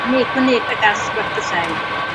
আমি এখনই এটা করতে চাই।